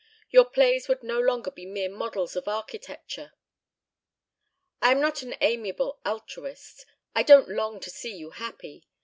Your plays would no longer be mere models of architecture. I am not an amiable altruist. I don't long to see you happy.